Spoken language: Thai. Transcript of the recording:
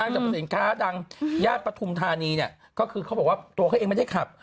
สรรพสินค้าดังญาติปฐุมธานีเนี่ยก็คือเขาบอกว่าตัวเขาเองไม่ได้ขับ